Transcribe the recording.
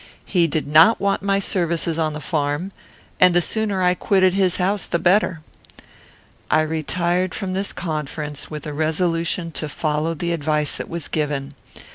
He did not want my services on the farm, and the sooner I quitted his house the better. I retired from this conference with a resolution to follow the advice that was given.